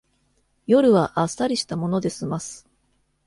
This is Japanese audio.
夜はあっさりしたもので済ます